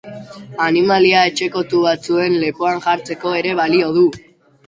Animalia etxekotu batzuen lepoan jartzeko ere balio du.